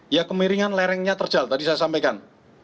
ya kemiringan lerengnya terjal tadi saya sampaikan